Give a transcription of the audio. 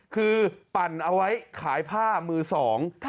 คือปั่นเอาไว้ขายผ้ามือสอง